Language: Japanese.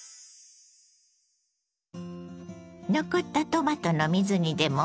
残ったトマトの水煮でもう一品！